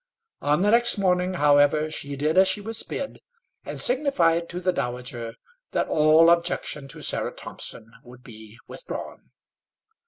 On the next morning, however, she did as she was bid, and signified to the dowager that all objection to Sarah Thompson would be withdrawn.